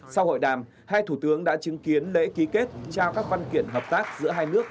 sau hội đàm hai thủ tướng đã chứng kiến lễ ký kết trao các văn kiện hợp tác giữa hai nước